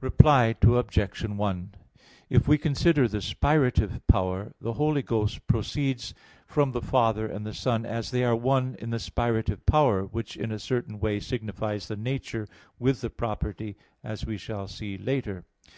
Reply Obj. 1: If we consider the spirative power, the Holy Ghost proceeds from the Father and the Son as they are one in the spirative power, which in a certain way signifies the nature with the property, as we shall see later (ad 7).